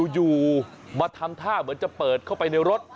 อยู่มาทำท่าเหมือนจะเปิดเข้าไปในรถ